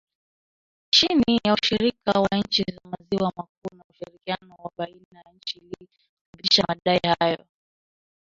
Chini ya ushirika wa nchi za maziwa makuu , na ushirikiano wa baina ya nchi ili kuthibitisha madai hayo